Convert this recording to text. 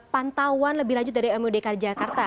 pantauan lebih lanjut dari mudki jakarta